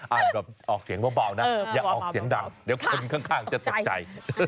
แบบออกเสียงเบานะอย่าออกเสียงดังเดี๋ยวคนข้างจะตกใจ